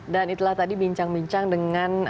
dan itulah tadi bincang bincang dengan